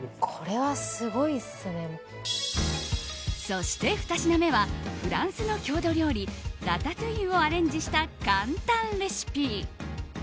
そして２品目はフランスの郷土料理ラタトゥイユをアレンジした簡単レシピ。